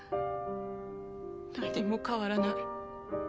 何も変わらない。